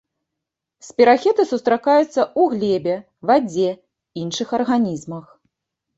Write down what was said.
Спірахеты сустракаюцца ў глебе, вадзе, іншых арганізмах.